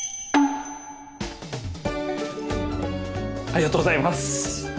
ありがとうございます！